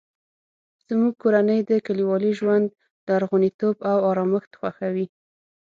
زموږ کورنۍ د کلیوالي ژوند لرغونتوب او ارامښت خوښوي